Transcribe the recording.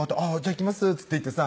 「行きます」っつって行ってさ